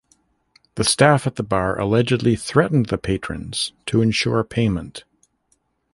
The staff at the bar allegedly threatened the patrons to ensure payment.